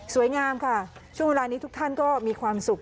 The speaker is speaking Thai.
งามค่ะช่วงเวลานี้ทุกท่านก็มีความสุข